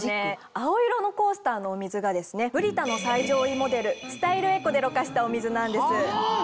青色のコースターのお水がですねＢＲＩＴＡの最上位モデルスタイルエコでろ過したお水なんです。